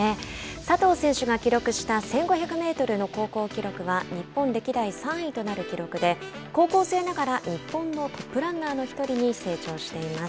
佐藤選手が記録した１５００メートルの高校記録は日本歴代３位となる記録で高校生ながら日本のトップランナーの１人に成長しています。